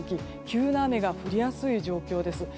急な雨が降りやすい状況です。